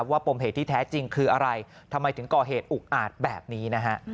ปมเหตุที่แท้จริงคืออะไรทำไมถึงก่อเหตุอุกอาจแบบนี้นะฮะ